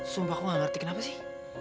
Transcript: sumpah aku gak ngerti kenapa sih